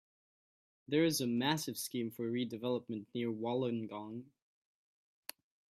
There is a massive scheme for redevelopment near Wollongong.